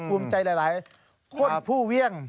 ภูมิใจหลายคนผู้เวี่ยง